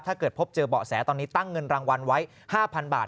ถ้าเกิดพบเจอเบาะแสตอนนี้ตั้งเงินรางวัลไว้๕๐๐๐บาท